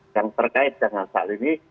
yang terkait dengan saat ini